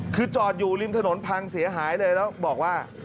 คือจอดอยู่ริมถนนพังเสียหายเลยแล้วบอกว่า